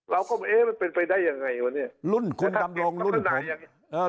เราก็เอ๊ะมันเป็นไปได้ยังไงวะเนี่ยรุ่นคุณดำรงรุ่นไหนยังไง